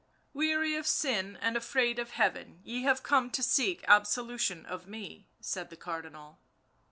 " Weary of sin and afraid of Heaven ye have come to seek absolution of me," said the Cardinal.